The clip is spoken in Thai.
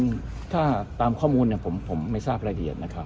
มองว่าเป็นการสกัดท่านหรือเปล่าครับเพราะว่าท่านก็อยู่ในตำแหน่งรองพอด้วยในช่วงนี้นะครับ